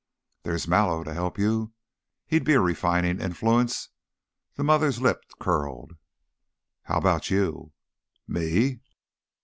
"There's Mallow to help you. He'd be a refining influence." The mother's lip curled. "How about you?" "Me?"